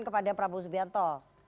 kepada prabowo subianto